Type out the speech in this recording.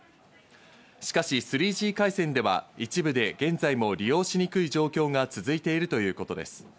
しかし、３Ｇ回線では一部で現在も利用しにくい状況が続いているということです。